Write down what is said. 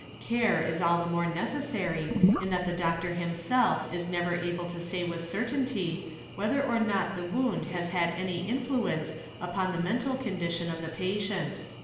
Care is all the more necessary in that the doctor himself is never able to say with certainty whether or — not the wound has had any influence upon the mental condition of the patient.